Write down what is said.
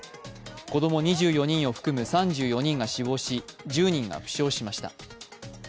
子ども２４人を含む３４人が死亡し１０人が負傷しました。